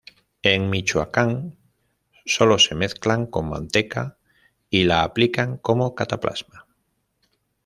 En Michoacán sólo se mezclan con manteca y la aplican como cataplasma.